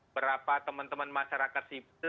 berapa teman teman masyarakat sipil